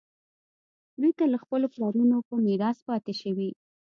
دوی ته له خپلو پلرونو په میراث پاتې شوي.